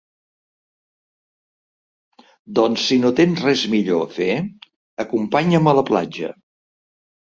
Doncs si no tens res millor a fer, acompanya'm a la platja.